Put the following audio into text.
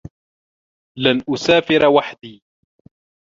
لَنْ أُسَافِرَ وَحْدِي.